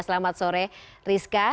selamat sore rizka